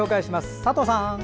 佐藤さん。